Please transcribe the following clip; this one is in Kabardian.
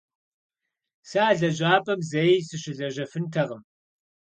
Сэ а лэжьапӏэм зэи сыщылэжьэфынтэкъым.